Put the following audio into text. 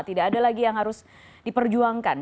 tidak ada lagi yang harus diperjuangkan